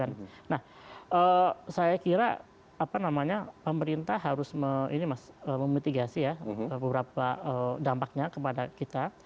nah saya kira pemerintah harus memitigasi ya beberapa dampaknya kepada kita